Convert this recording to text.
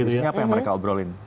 isinya apa yang mereka obrolin